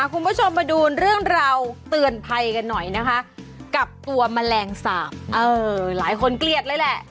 คุณผู้ชมมาดูเรื่องราวเตือนภัยกันหน่อยนะคะกับตัวแมลงสาบเออหลายคนเกลียดเลยแหละ